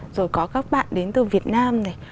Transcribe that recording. rồi có các bạn đến từ việt nam này